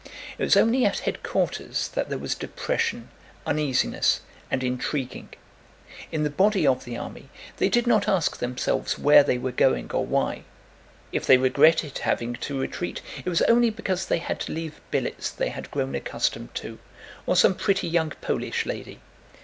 It was only at headquarters that there was depression, uneasiness, and intriguing; in the body of the army they did not ask themselves where they were going or why. If they regretted having to retreat, it was only because they had to leave billets they had grown accustomed to, or some pretty young Polish lady.